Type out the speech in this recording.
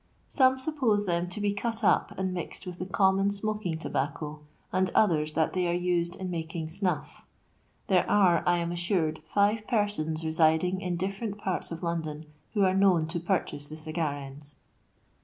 Some suppose them to be cut up and mixed with the common smoking tobacco, and others that they are used in making snuff. There are, I am assured, five persons residing in different parts of London, who are known to purchase the cigar ends.